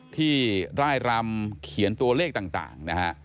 ร่ายรำเขียนตัวเลขต่างนะฮะ